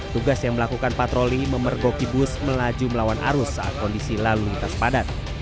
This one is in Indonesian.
tugas yang melakukan patroli memergoki bus melaju melawan arus saat kondisi lalu lintas padat